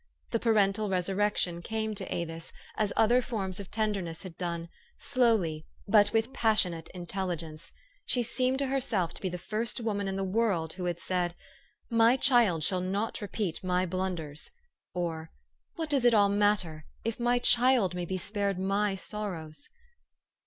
The pa rental resurrection came to Avis, as other forms of 448 THE STORY OF AVIS. tenderness had done, slowly, but with passionate intelligence: she seemed to herself to be the first woman in the world who had said, " My child shall not repeat my blunders ;" or, " What does it all matter, if my child may be spared my sorrows